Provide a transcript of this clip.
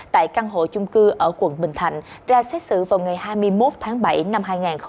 tại căn hộ chung cư ở quận bình thạnh ra xét xử vào ngày hai mươi một tháng bảy năm hai nghìn hai mươi ba